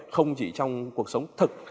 không chỉ trong cuộc sống thực